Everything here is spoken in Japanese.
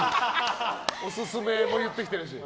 オススメも言ってきてるし。